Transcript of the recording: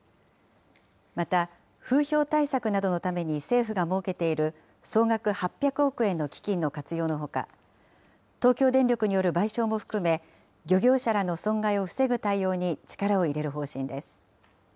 また風評対策などのために政府が設けている総額８００億円の基金の活用のほか、東京電力による賠償も含め、漁業者らの損害を防ぐ対応に力を入れる方針です。